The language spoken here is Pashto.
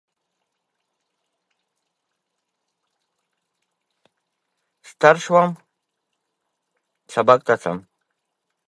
د اوبو سرچینې د افغانستان د ناحیو ترمنځ تفاوتونه رامنځ ته کوي.